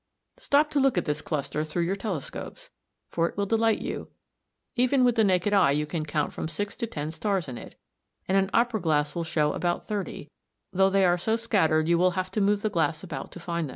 Stop to look at this cluster through your telescopes, for it will delight you; even with the naked eye you can count from six to ten stars in it, and an opera glass will show about thirty, though they are so scattered you will have to move the glass about to find them.